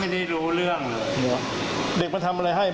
ด้วยว่าอะไร